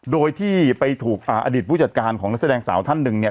โดยที่ไปถูกอดีตผู้จัดการของนักแสดงสาวท่านหนึ่งเนี่ย